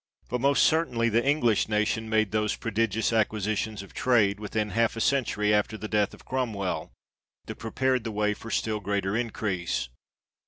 But most certainly the English nation made those prodigious acquisitions of trade, within half a century after the death of Cromwell, that prepared the way for still greater increase.